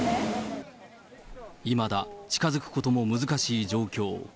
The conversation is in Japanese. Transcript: いまだ近づくことも難しい状況。